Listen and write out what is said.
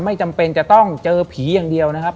ไม่จำเป็นจะต้องเจอผีอย่างเดียวนะครับ